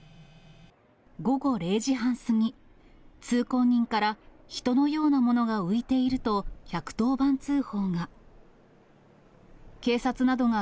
午後０時半過ぎ、通行人から人のようなものが浮いていると、１１０番通報が。